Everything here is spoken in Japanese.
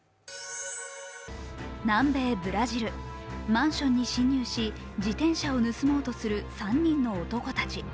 南米ブラジル、マンションに侵入し自転車を盗もうとする３人の男たち。